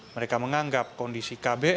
mereka menganggap kondisi kandangnya